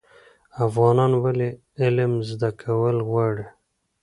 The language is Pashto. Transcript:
افغانان ولې علم زده کول غواړي؟